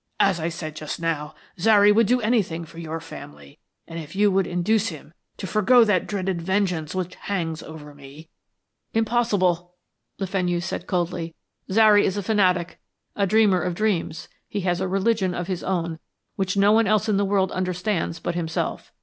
As I said just now, Zary would do anything for your family, and if you would induce him to forego that dreaded vengeance which hangs over me " "Impossible," Le Fenu said coldly. "Zary is a fanatic, a dreamer of dreams; he has a religion of his own which no one else in the world understands but himself.